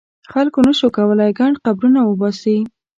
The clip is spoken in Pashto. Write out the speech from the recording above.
خلکو نه شو کولای ګڼ قبرونه وباسي.